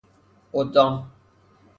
قدام